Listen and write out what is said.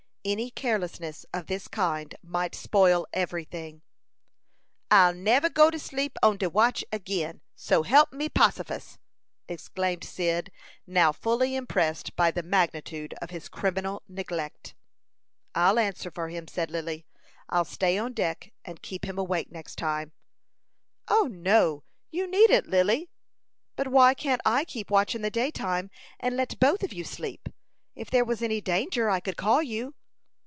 Any carelessness of this kind might spoil every thing." "I never'll go to sleep on de watch agin, so help me Possifus!" exclaimed Cyd, now fully impressed by the magnitude of his criminal neglect. "I'll answer for him," said Lily; "I'll stay on deck and keep him awake next time." "O, no, you needn't, Lily." "But why can't I keep watch in the daytime, and let both of you sleep? If there was any danger I could call you."